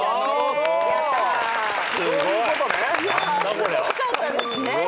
すごかったですね。